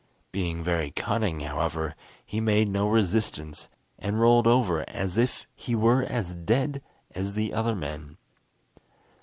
Being very cunning, however, he made no resistance, and rolled over as if he were as dead as the other men.